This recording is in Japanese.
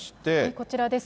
こちらです。